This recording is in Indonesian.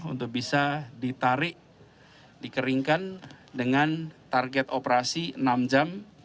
untuk bisa ditarik dikeringkan dengan target operasi enam jam